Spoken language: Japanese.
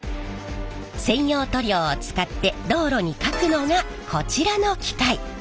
専用塗料を使って道路にかくのがこちらの機械。